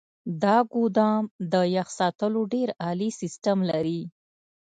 دا ګودام د يخ ساتلو ډیر عالي سیستم لري.